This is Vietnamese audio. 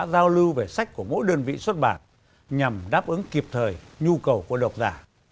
giao lưu về sách của mỗi đơn vị xuất bản nhằm đáp ứng kịp thời nhu cầu của độc giả